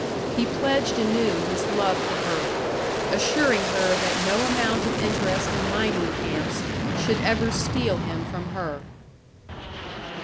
He pledged anew his love for her, assuring her that no amount of interest in mining camps should ever steal him from her.